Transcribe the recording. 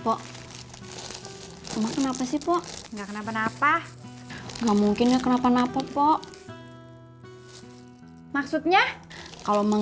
pokoknya kenapa sih enggak kenapa napa enggak mungkin kenapa napa pokok maksudnya kalau enggak